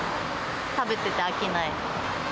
食べてて飽きない。